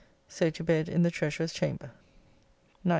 So to bed in the treasurer's chamber. 9th.